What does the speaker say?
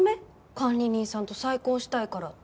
管理人さんと再婚したいからって。